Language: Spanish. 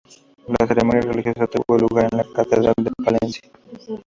La ceremonia religiosa tuvo lugar en la Catedral de Palencia.